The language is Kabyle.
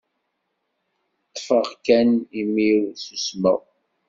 Ṭṭfeɣ kan imi-w, ssusmeɣ.